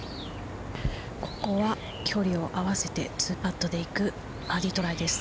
ここは距離を合わせて２パットでいくバーディートライです。